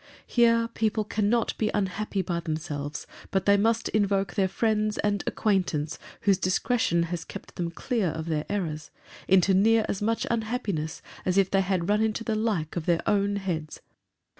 Here, people cannot be unhappy by themselves, but they must invoke their friends and acquaintance whose discretion has kept them clear of their errors, into near as much unhappiness as if they had run into the like of their own heads!